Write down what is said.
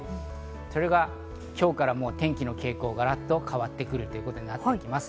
それが今日から天気の傾向がガラッと変わってくることになります。